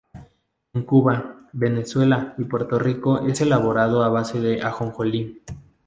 En Cuba, Venezuela y Puerto Rico es elaborada a base de ajonjolí.